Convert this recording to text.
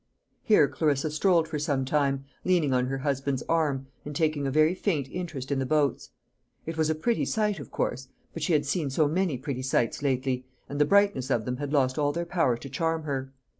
Here Clarissa strolled for some time, leaning on her husband's arm, and taking a very faint interest in the boats. It was a pretty sight, of course; but she had seen so many pretty sights lately, and the brightness of them had lost all power to charm her.